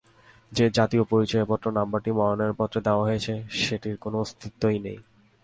যে জাতীয় পরিচয়পত্র নম্বরটি মনোনয়নপত্রে দেওয়া হয়েছে, সেটির কোনো অস্তিত্বই নেই।